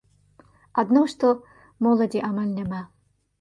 Адно што, моладзі амаль няма.